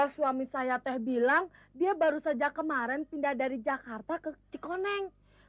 suami saya teh bilang dia baru saja kemarin pindah dari jakarta ke cikoneng